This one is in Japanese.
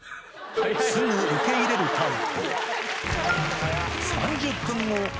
すぐ受け入れるタイプ。